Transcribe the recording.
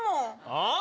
ああ？